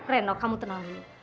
reno kamu tenang dulu